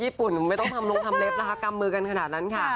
ปุ่นไม่ต้องทำลงทำเล็บนะคะกำมือกันขนาดนั้นค่ะ